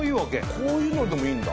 こういうのでもいいんだ。